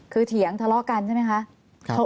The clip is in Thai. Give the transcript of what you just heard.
คือเถียงทะเลาะกันใช่ไหมคะ